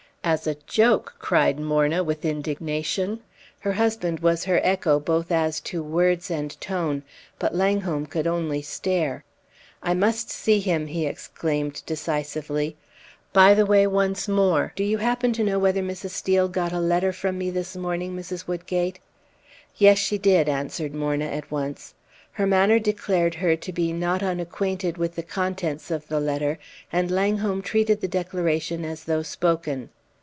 "As a joke!" cried Morna, with indignation; her husband was her echo both as to words and tone; but Langholm could only stare. "I must see him," he exclaimed, decisively. "By the way, once more, do you happen to know whether Mrs. Steel got a letter from me this morning, Mrs. Woodgate?" "Yes, she did," answered Morna at once. Her manner declared her to be not unacquainted with the contents of the letter, and Langholm treated the declaration as though spoken.